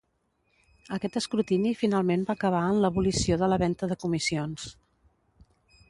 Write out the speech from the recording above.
Aquest escrutini finalment va acabar en l'abolició de la venta de comissions.